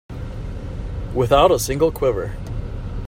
Without a single quiver.